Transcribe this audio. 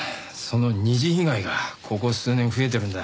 その二次被害がここ数年増えてるんだ。